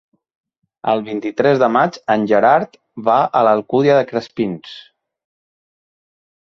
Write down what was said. El vint-i-tres de maig en Gerard va a l'Alcúdia de Crespins.